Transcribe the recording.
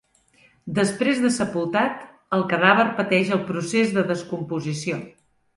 Després de sepultat, el cadàver pateix el procés de descomposició.